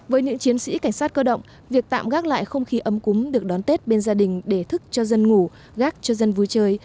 với những chiến sĩ cảnh sát cơ động việc tạm gác lại không khí ấm cúng được đón tết bên gia đình để thức cho dân ngủ gác cho dân vui chơi